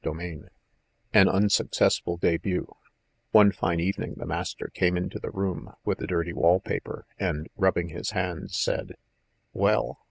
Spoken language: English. VII An Unsuccessful Début One fine evening the master came into the room with the dirty wall paper, and, rubbing his hands, said: "Well.